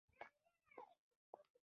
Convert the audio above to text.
هغوی به ناکراریو ته خاتمه ورکړي.